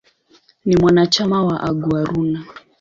Ni mwanachama wa "Aguaruna".